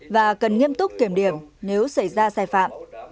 và cần nghiêm túc kiểm điểm nếu xảy ra sai phạm